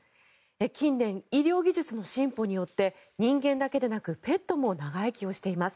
近年、医療技術の進歩によって人間だけでなくペットも長生きをしています。